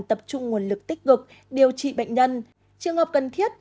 tập trung nguồn lực tích cực điều trị bệnh nhân trường hợp cần thiết